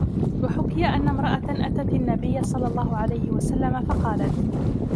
وَحُكِيَ أَنَّ امْرَأَةً أَتَتْ النَّبِيَّ صَلَّى اللَّهُ عَلَيْهِ وَسَلَّمَ فَقَالَتْ